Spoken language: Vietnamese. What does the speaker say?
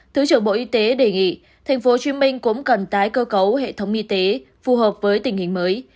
thứ trưởng bộ y tế đề nghị tp hcm cũng cần tái cơ cấu hệ thống y tế phù hợp với tình hình mới